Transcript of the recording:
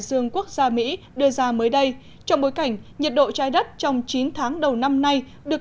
dương quốc gia mỹ đưa ra mới đây trong bối cảnh nhiệt độ trái đất trong chín tháng đầu năm nay được